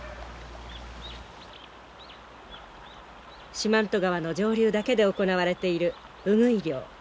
四万十川の上流だけで行われているウグイ漁。